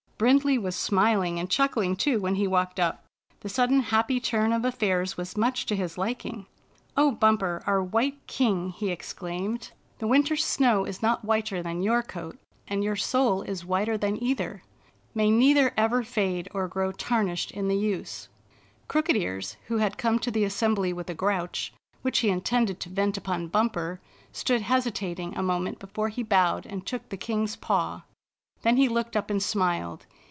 Brindley was smiling and chuckling too, when he walked up. The sudden happy turn of affairs was much to his liking. " O Bumper, our white king! " he exclaimed. " The winter's snow is not whiter than your coat, and your soul is whiter than either. May neither ever fade or grow tar nished in the use." Crooked Ears, who had come to the assembly with a grouch, which he intended to vent upon Bumper, stood hesitating a moment before he bowed and took the king's paw. Then he looked up and smiled.